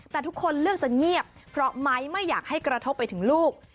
แต่ทุกคนเลือกจะเงียบเพราะไม้ไม่อยากให้กระทบไปถึงลูก